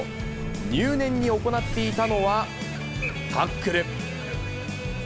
入念に行っていたのは、タックル。